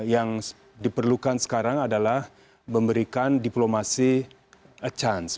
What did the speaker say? yang diperlukan sekarang adalah memberikan diplomasi a chance